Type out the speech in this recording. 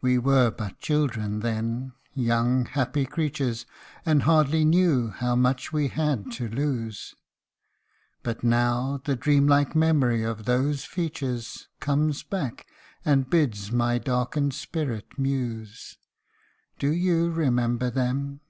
221 We were but children then, young happy creatures, And hardly knew how much we had to lose But now the dreamlike memory of those features Comes back, and bids my darkened spirit muse. Do you remember them